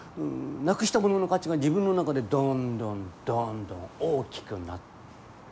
なくしたものの価値が自分の中でどんどんどんどん大きくなる。